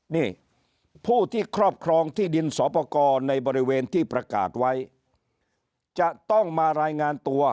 นี่ผู้ที่ครอบครองที่ดินสอปกรในบริเวณที่ประกาศไว้จะต้องมารายงานตัว